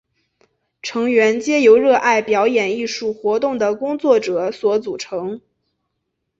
成员皆由热爱表演艺术活动的工作者所组成。